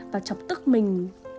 và chọc tức mình